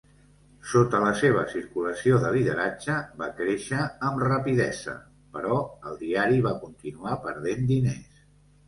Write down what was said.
Sota la seva circulació de lideratge va créixer amb rapidesa, però el diari va continuar perdent diners.